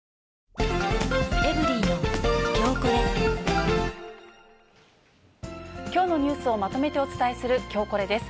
あきょうのニュースをまとめてお伝えするきょうコレです。